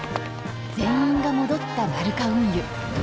全員が戻ったマルカ運輸。